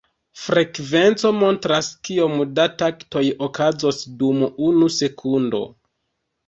Frekvenco montras kiom da taktoj okazos dum unu sekundo.